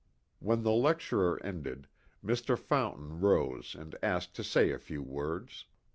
When the lecturer ended, Mr. Fountain rose and asked to say a few words.